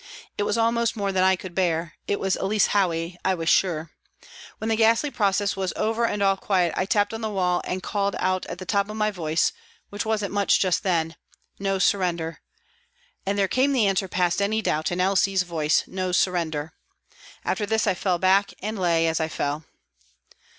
It was almost more than I could bear, it was Elsie Howey, I was sure. When the ghastly process was over and all quiet, I tapped on the wall and WALTON GAOL, LIVERPOOL 271 called out at the top of my voice, which wasn't much just then, " No surrender," and there came the answer past any doubt in Elsie's voice, " No surrender." After this I fell back and lay as I fell.